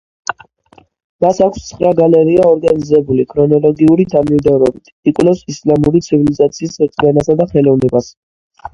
მას აქვს ცხრა გალერეა ორგანიზებული ქრონოლოგიური თანმიმდევრობით, იკვლევს ისლამური ცივილიზაციის რწმენასა და ხელოვნებას.